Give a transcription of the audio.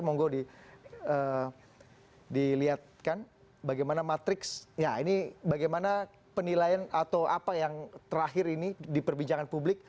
mohon gue dilihatkan bagaimana matriks ya ini bagaimana penilaian atau apa yang terakhir ini di perbincangan publik